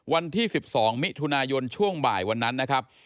วันที่๑๒มิถุนายนช่วงบ่ายวันนั้นนะครับ